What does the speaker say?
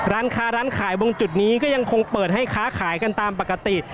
ร้านค้าร้านขายตรงจุดนี้ก็ยังคงเปิดให้ค้าขายกันตามปกติ